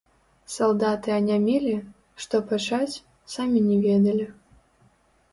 Салдаты анямелі, што пачаць, самі не ведалі.